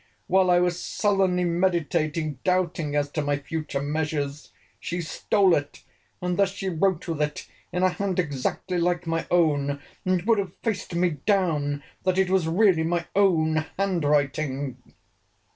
While I was sullenly meditating, doubting, as to my future measures, she stole it; and thus she wrote with it in a hand exactly like my own; and would have faced me down, that it was really my own hand writing.